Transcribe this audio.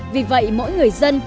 vì vậy mỗi người dân